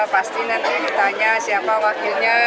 pasti nanti ditanya siapa wakilnya